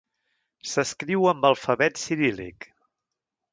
S'escriu amb alfabet ciríl·lic.